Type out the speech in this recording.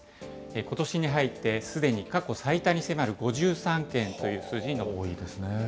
ことしに入ってすでに過去最多に迫る５３件という数字に上ります。